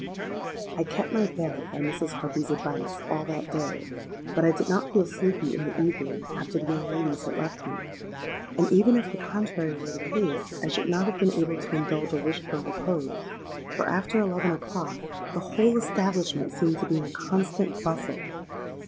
"I kept my bed, by Mrs. Harpy's advice, all that day; but I did not feel sleepy in the evening, after the young ladies had left me;—and even if the contrary were the case, I should not have been able to indulge a wish for repose, for after eleven o'clock the whole establishment seemed to be in a constant bustle.